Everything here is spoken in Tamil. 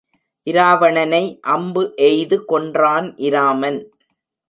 இராவணனை அம்பு எய்து கொன்றான் இராமன்.